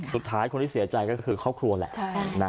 สุดท้ายคนที่เสียใจก็คือครอบครัวแหละ